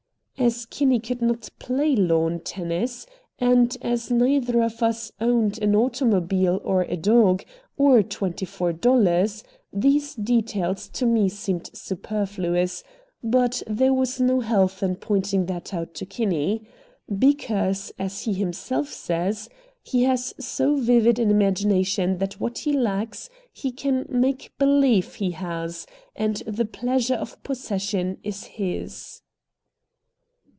As Kinney could not play lawn tennis, and as neither of us owned an automobile or a dog, or twenty four dollars, these details to me seemed superfluous, but there was no health in pointing that out to Kinney. Because, as he himself says, he has so vivid an imagination that what he lacks he can "make believe" he has, and the pleasure of possession is his.